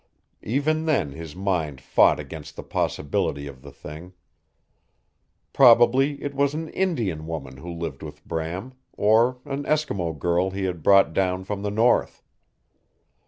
Even then his mind fought against the possibility of the thing. Probably it was an Indian woman who lived with Bram, or an Eskimo girl he had brought down from the north.